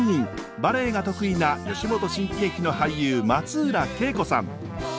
バレエが得意な吉本新喜劇の俳優松浦景子さん。